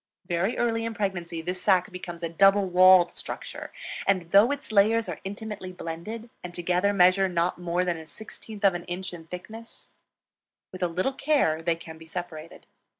Very early in pregnancy this sac becomes a double walled structure; and, though its layers are intimately blended, and together measure not more than 1/16 of an inch in thickness, with a little care they can be separated.